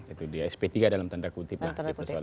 itu dia sp tiga dalam tanda kutip di persoalan ini